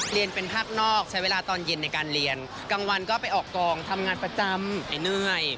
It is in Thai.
เรียนเป็นภาคนอกใช้เวลาตอนเย็นในการเรียนกลางวันก็ไปออกกองทำงานประจำไอ้เหนื่อย